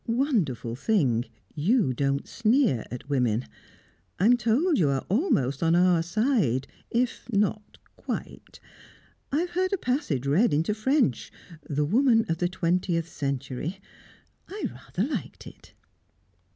Wonderful thing you don't sneer at women. I'm told you are almost on our side if not quite. I've heard a passage read into French the woman of the twentieth century. I rather liked it."